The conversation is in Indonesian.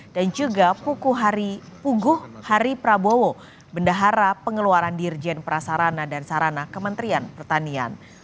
dan juga puguh hari prabowo bendahara pengeluaran dirjen prasarana dan sarana kementerian pertanian